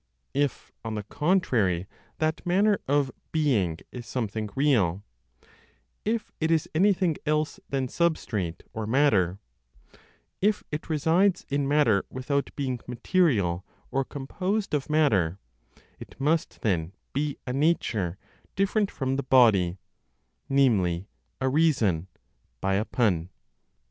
If, on the contrary, that "manner of being" is something real, if it is anything else than substrate or matter, if it resides in matter without being material or composed of matter, it must then be a nature different from the body, namely, a reason (by a pun).